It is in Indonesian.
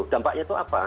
dampaknya itu apa